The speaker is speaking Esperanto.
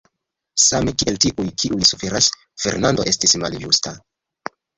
Same kiel tiuj, kiuj suferas, Fernando estis maljusta.